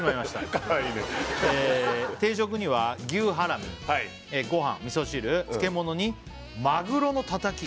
かわいいね「定食には牛ハラミご飯」「みそ汁漬物にまぐろのたたき」